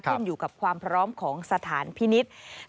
ขึ้นอยู่กับความพร้อมของสถานพินิษฐ์